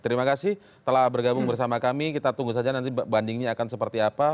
terima kasih telah bergabung bersama kami kita tunggu saja nanti bandingnya akan seperti apa